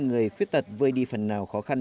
người khuyết tật vơi đi phần nào khó khăn